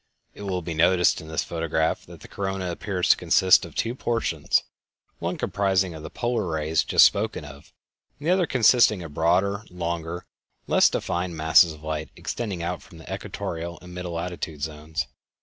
It will be noticed in this photograph that the corona appears to consist of two portions: one comprising the polar rays just spoken of, and the other consisting of the broader, longer, and less defined masses of light extending out from the equatorial and middle latitude zones.